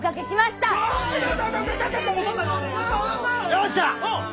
よっしゃ！